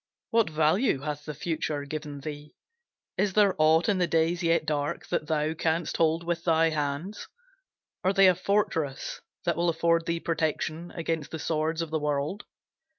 What value hath the future given thee? Is there aught in the days yet dark That thou canst hold with thy hands? Are they a fortress That will afford thee protection Against the swords of the world?